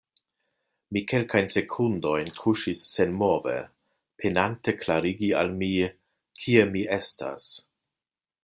Mi kelkajn sekundojn kuŝis senmove, penante klarigi al mi, kie mi estas.